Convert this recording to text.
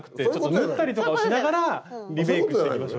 縫ったりとかをしながらリメイクしていきましょうよ。